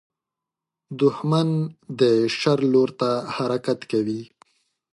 دښمن د شر لور ته حرکت کوي